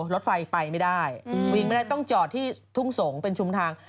รถไฟไปไม่ได้ต้องจอดที่ทุ่งสงฯเป็นชุมทาง